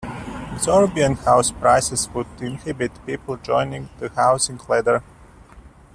Exorbitant house prices would inhibit people joining the housing ladder.